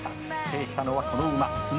「制したのはこの馬」